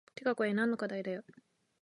てかこれ何の課題だよ